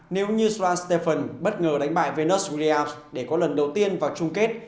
nếu như swan stephens bất ngờ đánh bại venus williams để có lần đầu tiên vào chung kết